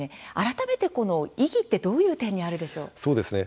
改めて意義はどんな点にあるでしょう。